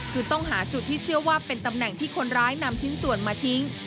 คือต้องหาจุดที่เชื่อว่าเป็นตำแหน่งที่คนร้ายนำชิ้นส่วนมาทิ้ง